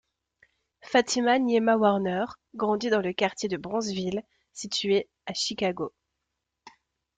Fatimah Nyeema Warner grandit dans le quartier de Bronzeville, situé à Chicago.